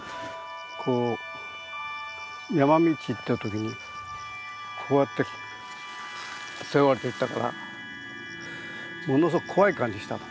こう山道行った時にこうやって背負われていったからものすごく怖い感じしたの。